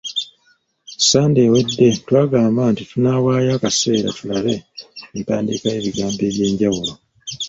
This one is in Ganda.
Ssande ewedde twagamba nti tunaawaayo akaseera tulabe empandiika y’ebigambo eby’enjawulo.